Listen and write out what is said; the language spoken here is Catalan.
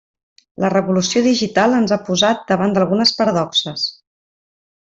La revolució digital ens ha posat davant d'algunes paradoxes.